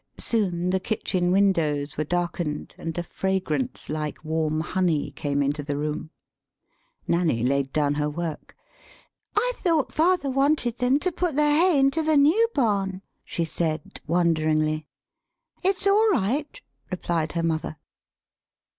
Soon the kitchen windows were darkened, and a fragrance like warm honey came into the room.] Nanny laid down her work. " I thought father wanted them to put the hay into the new barn?" [she said, wonderingly.] "It's all right," replied her mother.